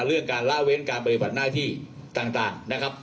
เรื่องการละเว้นการปฏิบัติหน้าที่ต่างนะครับ